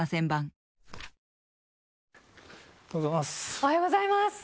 おはようございます。